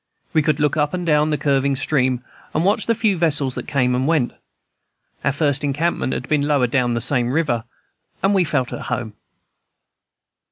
We could look up and down the curving stream, and watch the few vessels that came and went. Our first encampment had been lower down that same river, and we felt at home.